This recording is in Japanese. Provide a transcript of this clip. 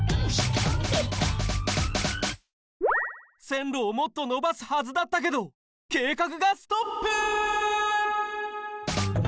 線路をもっと延ばすはずだったけど計画がストップ！